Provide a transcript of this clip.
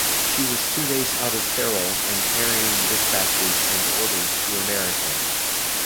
She was two days out of Ferrol and carrying dispatches and orders to America.